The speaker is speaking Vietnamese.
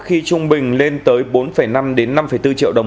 khi trung bình lên tới bốn năm đến năm bốn triệu đồng